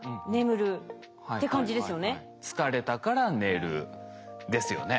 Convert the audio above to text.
「疲れたから寝る」ですよね。